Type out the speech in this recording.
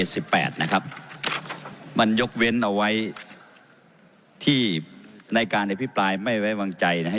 สิบแปดนะครับมันยกเว้นเอาไว้ที่ในการอภิปรายไม่ไว้วางใจนะครับ